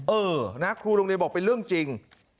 เออนะครูโรงเรียนบอกเป็นเรื่องจริง